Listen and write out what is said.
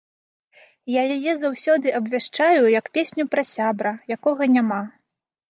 Я яе заўсёды абвяшчаю як песню пра сябра, якога няма.